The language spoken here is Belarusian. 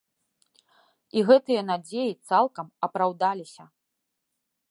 І гэтыя надзеі цалкам апраўдаліся.